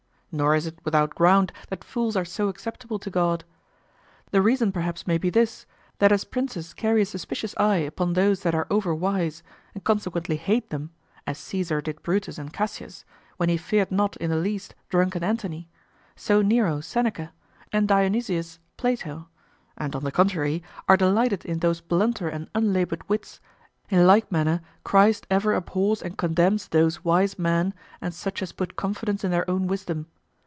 Nor is it without ground that fools are so acceptable to God. The reason perhaps may be this, that as princes carry a suspicious eye upon those that are over wise, and consequently hate them as Caesar did Brutus and Cassius, when he feared not in the least drunken Antony; so Nero, Seneca; and Dionysius, Plato and on the contrary are delighted in those blunter and unlabored wits, in like manner Christ ever abhors and condemns those wise men and such as put confidence in their own wisdom.